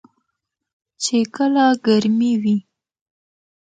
چې کله ګرمې وي .